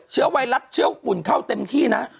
เชื้อไวรัสเชื้อฝุ่นเข้าเต็มที่นะ